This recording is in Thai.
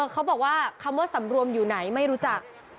เขาบอกว่าคำว่าสำรวมอยู่ไหนไม่รู้จัก